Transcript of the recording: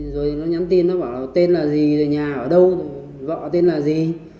rồi nó nhắn tin nó bảo tên là gì nhà ở đâu vợ tên là gì